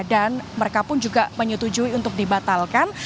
dan mereka pun juga menyetujui untuk dibatalkan